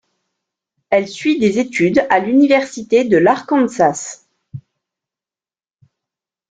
Elle suit des études à l’université de l’Arkansas.